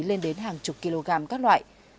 lên đến hàng chục kg các loại